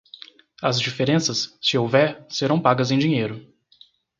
As diferenças, se houver, serão pagas em dinheiro.